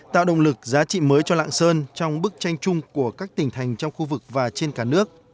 tạo động lực giá trị mới cho lạng sơn trong bức tranh chung của các tỉnh thành trong khu vực và trên cả nước